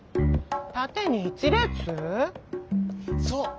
そう。